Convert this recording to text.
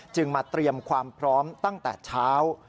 มาเตรียมความพร้อมตั้งแต่เช้า